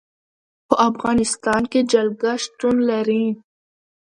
په افغانستان کې جلګه شتون لري.